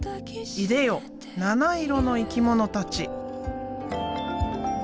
いでよ７色の生き物たち！